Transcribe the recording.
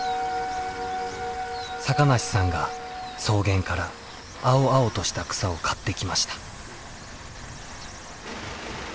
坂梨さんが草原から青々とした草を刈ってきました。